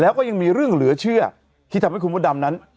แล้วก็ยังมีเรื่องเหลือเชื่อที่ทำให้คุณมดดำนั้น